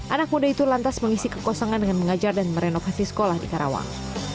anak muda itu lantas mengisi kekosongan dengan mengajar dan merenovasi sekolah di karawang